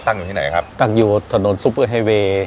ตั้งอยู่ถนนซูเปอเฮยเวย์